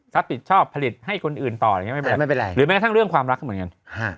ถ้าผิดชอบผลิตให้คนอื่นต่อไม่เป็นไรหรือแม้ทั้งเรื่องความรักเหมือนกัน